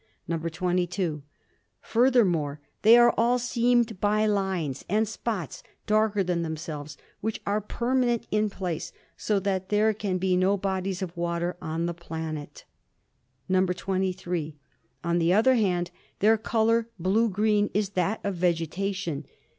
"(22) Furthermore, they are all seamed by lines and spots darker than themselves, which are permanent in place, so that there can be no bodies of water on the planet. "(23) On the other hand, their color, blue green, is that of vegetation.